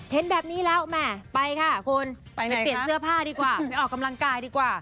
เห็นแบบนี้แล้วแหม่ไปค่ะคุณไปเปลี่ยนเสื้อผ้าดีกว่าไปออกกำลังกายดีกว่า